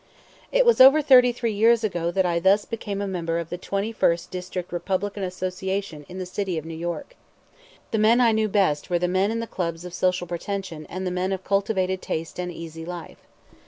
It was over thirty three years ago that I thus became a member of the Twenty first District Republican Association in the city of New York. The men I knew best were the men in the clubs of social pretension and the men of cultivated taste and easy life.